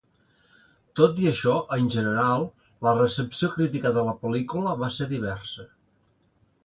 Tot i això, en general, la recepció crítica de la pel·lícula va ser diversa.